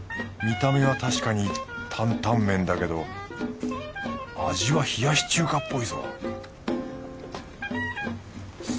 見た目は確かにタンタン麺だけど味は冷やし中華っぽいぞ